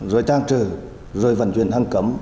rồi tăng trừ rồi vận chuyển hăng cấm